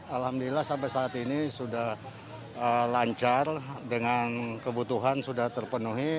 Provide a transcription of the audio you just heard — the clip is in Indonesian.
alhamdulillah sampai saat ini sudah lancar dengan kebutuhan sudah terpenuhi